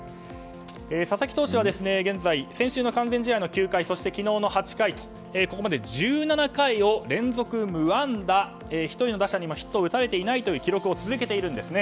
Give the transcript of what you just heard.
佐々木投手は現在先週の完全試合の９回そして昨日の８回とここまで１７回を連続無安打１人の打者にもヒットを打たれていないという記録を続けています。